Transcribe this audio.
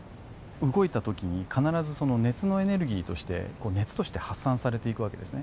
動いた時に必ず熱のエネルギーとして熱として発散されていく訳ですね。